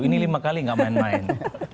ini lima kali gak main main